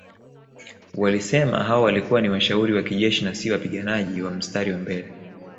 Walisema hao walikuwa ni washauri wa kijeshi na si wapiganaji wa mstari wa mbele